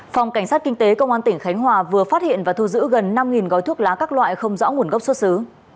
phòng cảnh sát kinh tế công an tỉnh khánh hòa vừa phát hiện và thu giữ gần năm gói thuốc lá các loại không rõ nguồn gốc xuất xứ